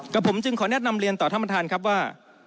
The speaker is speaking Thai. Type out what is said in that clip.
ผมจึงขอแนะนำเรียนต่อท่านประธานครับว่า